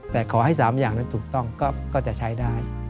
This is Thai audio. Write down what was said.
แต่ขอให้๓อย่างนั้นถูกต้องก็จะใช้ได้